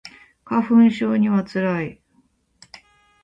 花粉症には辛い